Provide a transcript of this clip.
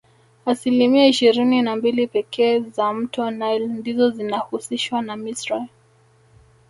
Asilimia ishirini na mbili pekee za mto nile ndizo zinahusishwa na misri